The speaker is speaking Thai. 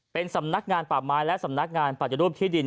เป็นสำนักงานป่าไม้และสำนักงานปฏิรูปที่ดิน